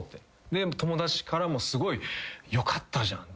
で友達からもすごい「よかったじゃん！」